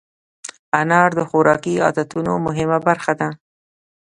انار د خوراکي عادتونو مهمه برخه ده.